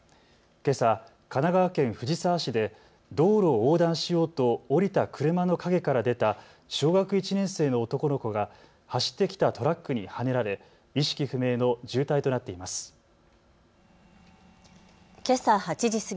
けさ神奈川県藤沢市で道路を横断しようと降りた車の陰から出た小学１年生の男の子が走ってきたトラックにはねられ意識不明の重体となっています。